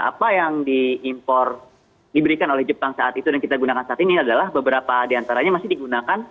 apa yang diimpor diberikan oleh jepang saat itu dan kita gunakan saat ini adalah beberapa diantaranya masih digunakan